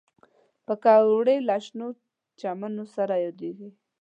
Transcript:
پکورې له شنو چمنو سره یادېږي